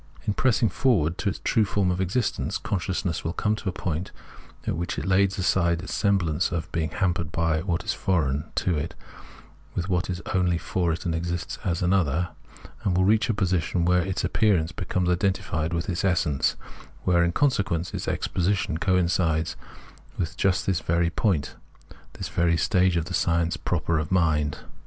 In pressing forward to its true form of existence, consciousness will come to a point at which it lays aside its semblance of being hampered with what is foreign to it, with what is only for it and exists as an other ; it will reach a position where its appearance becomes identified with its essence, where, in consequence, its exposition coin cides with just this very point, this very stage of the science proper of mind.